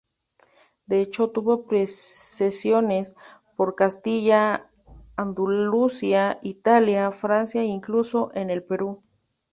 De hecho, tuvo posesiones por Castilla, Andalucía, Italia, Francia e incluso, en el Perú.